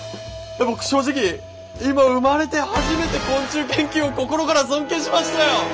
僕正直今生まれて初めて昆虫研究を心から尊敬しましたよ！